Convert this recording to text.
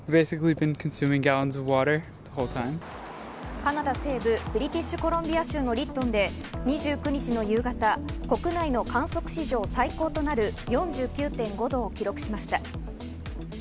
カナダ西部、ブリティッシュ・コロンビア州のリットンで２９日の夕方、国内の観測史上最高となる４９．５度を記録しました。